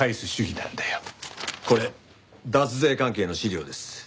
これ脱税関係の資料です。